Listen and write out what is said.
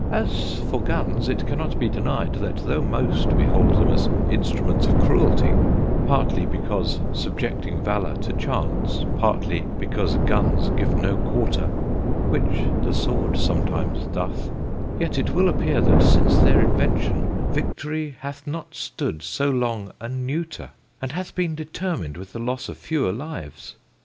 As for Guns, it cannot be denied, that though most behold them as Instruments of cruelty; partly, because subjecting valour to chance; partly, because Guns give no quarter (which the Sword sometimes doth); yet it will appear that, since their invention, Victory hath not stood so long a Neuter, and hath been determined with the loss of fewer lives.